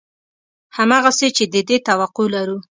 همغسې چې د دې توقع لرو